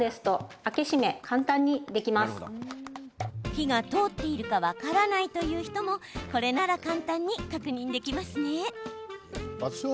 火が通っているか分からないという人もこれなら簡単に確認できますね。